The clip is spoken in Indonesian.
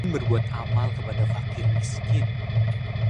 Udin berbuat amal kepada fakir miskin;